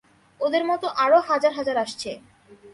ওদের মতো আরো হাজার হাজার আসছে।